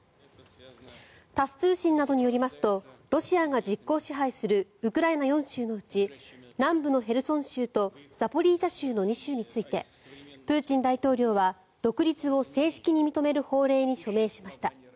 タス通信などによりますとロシアが実効支配するウクライナ４州のうち南部のヘルソン州とザポリージャ州の２州についてプーチン大統領は独立を正式に認める法令に署名しました。